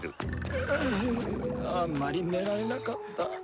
ううあんまり寝られなかった。